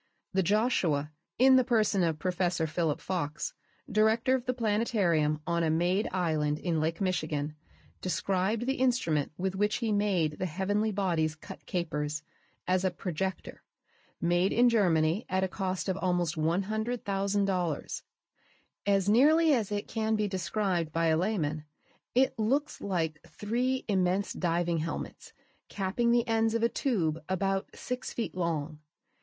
The Joshua in the person of Professor Philip Fox, director of the planetarium on a "made" island in Lake Michigan described the instrument with which he made the heavenly bodies cut capers, as a projector, made in Germany at a cost of almost $100,000. As nearly as it can be described by a layman it looks like three immense diving helmets capping the ends of a tube about six feet long.